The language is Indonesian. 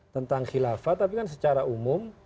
tentang khilafah tapi kan secara umum